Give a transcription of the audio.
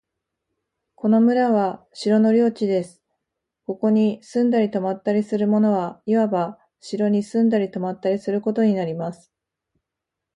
この村は城の領地です。ここに住んだり泊ったりする者は、いわば城に住んだり泊ったりすることになります。